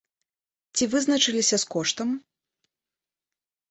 Ці вызначыліся з коштам?